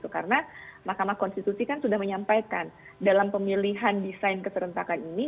karena mahkamah konstitusi kan sudah menyampaikan dalam pemilihan desain keserentakan ini